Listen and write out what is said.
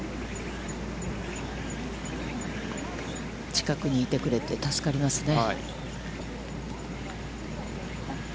近くにいてくれて助かりますね。